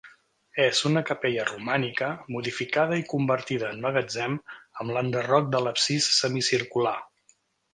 És una capella romànica modificada i convertida en magatzem amb l'enderroc de l'absis semicircular.